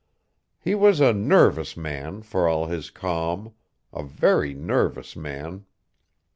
He was a nervous man, for all his calm. A very nervous man....